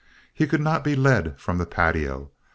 He could not be led from the patio.